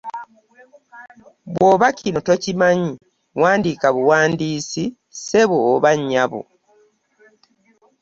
Bw’oba kino tokimanyi wandiika buwandiisi Ssebo oba Nnyabo.